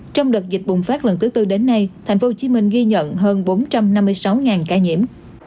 trong đợt dịch bùng phát lần thứ tư đến nay thành phố hồ chí minh ghi nhận hơn bốn trăm năm mươi sáu ca nhiễm